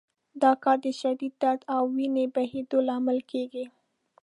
دا کار د شدید درد او وینې بهېدو لامل کېږي.